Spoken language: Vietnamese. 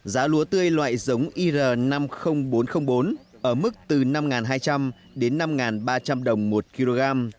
giá lúa tươi loại giống ir năm mươi nghìn bốn trăm linh bốn ở mức từ năm hai trăm linh đến năm ba trăm linh đồng một kg